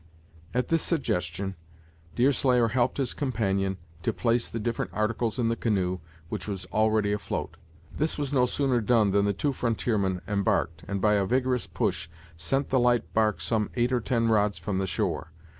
At this suggestion, Deerslayer helped his companion to place the different articles in the canoe, which was already afloat. This was no sooner done than the two frontiermen embarked, and by a vigorous push sent the light bark some eight or ten rods from the shore.